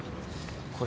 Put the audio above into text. これ